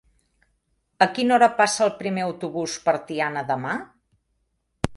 A quina hora passa el primer autobús per Tiana demà?